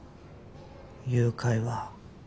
誘拐は